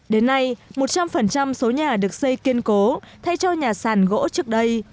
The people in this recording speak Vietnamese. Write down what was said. đến nay một trăm linh số nhà được xây kiên cố thay cho nhà sàn gỗ trước đây